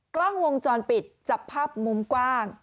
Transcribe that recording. กล้องวงจรปิดจับภาพมุมกว้าง